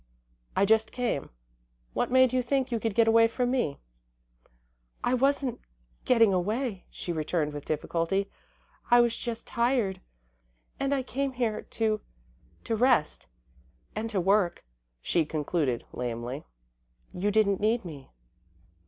"I just came. What made you think you could get away from me?" "I wasn't getting away," she returned with difficulty. "I was just tired and I came here to to rest and to work," she concluded, lamely. "You didn't need me."